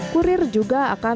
kurir juga akan